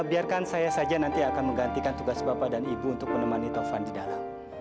biarkan saya saja nanti akan menggantikan tugas bapak dan ibu untuk menemani tovan di dalam